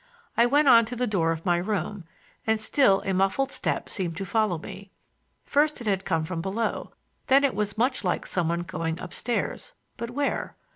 I went on to the door of my room, and still a muffled step seemed to follow me,—first it had come from below, then it was much like some one going up stairs,—but where?